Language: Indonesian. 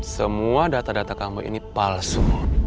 semua data data kami ini palsu